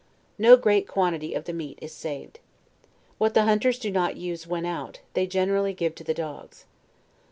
No great quantity of the meat is saved. What the hunters do .not use when out, they generally give to the dogs.